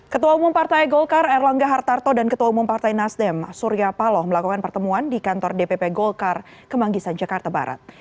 ketua umum partai golkar erlangga hartarto dan ketua umum partai nasdem surya paloh melakukan pertemuan di kantor dpp golkar kemanggisan jakarta barat